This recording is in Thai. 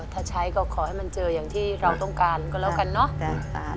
ถ้าใช้ก็ขอให้มันเจออย่างที่เราต้องการก็แล้วกันเนาะ